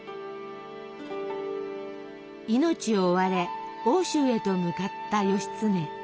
命を追われ奥州へと向かった義経。